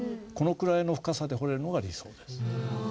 このくらいの深さで彫れるのが理想です。